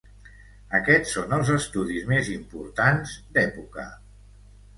Aquests són els estudis més importants d'època.